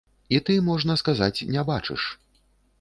І ты, можна сказаць, не бачыш.